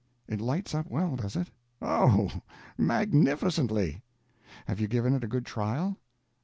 "It lights up well, does it?" "O, magnificently." "Have you given it a good trial?"